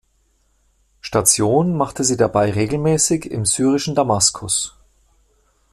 Station machte sie dabei regelmäßig im syrischen Damaskus.